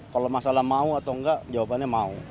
kalau masalah mau atau enggak jawabannya mau